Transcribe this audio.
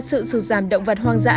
sự sụt giảm động vật hoang dã